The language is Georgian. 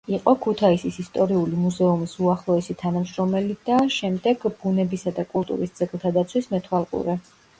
იყო ქუთაისის ისტორიული მუზეუმის უახლოესი თანამშრომელი და შემდეგ ბუნებისა და კულტურის ძეგლთა დაცვის მეთვალყურე.